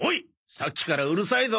さっきからうるさいぞ。